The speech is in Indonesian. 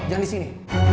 jangan di sini